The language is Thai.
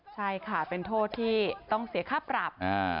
ใช่ค่ะเป็นโทษที่ต้องเสียค่าปรับ